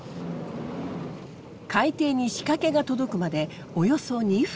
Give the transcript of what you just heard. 海底に仕掛けが届くまでおよそ２分。